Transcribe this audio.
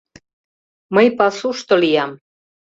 — Мый пасушто лиям!